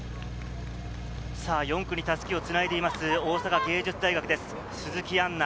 ４区に襷を繋いでいます大阪芸術大学です、鈴木杏奈。